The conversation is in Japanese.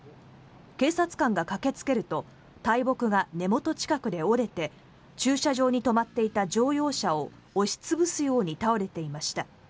警察官が駆けつけると大木が根元近くで折れて駐車場に止まっていた乗用車を押し潰すように倒れていました。